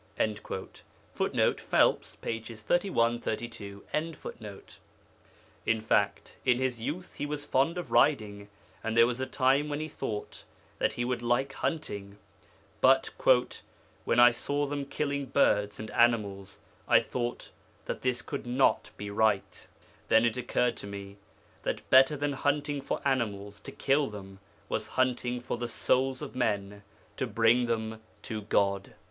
[Footnote: Phelps, pp. 31, 32.] In fact, in his youth he was fond of riding, and there was a time when he thought that he would like hunting, but 'when I saw them killing birds and animals, I thought that this could not be right. Then it occurred to me that better than hunting for animals, to kill them, was hunting for the souls of men to bring them to God.